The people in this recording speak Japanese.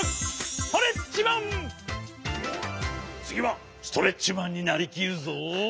つぎはストレッチマンになりきるぞ！